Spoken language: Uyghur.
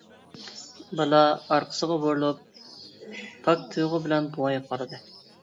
بالا ئارقىسىغا بۇرۇلۇپ، پاك تۇيغۇ بىلەن بوۋايغا قارىدى.